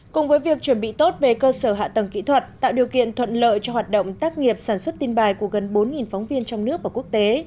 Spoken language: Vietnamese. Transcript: cùng với việc chuẩn bị tốt về cơ sở hạ tầng kỹ thuật tạo điều kiện thuận lợi cho hoạt động tác nghiệp sản xuất tin bài của gần bốn phóng viên trong nước và quốc tế